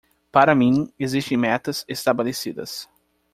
Para mim, existem metas estabelecidas.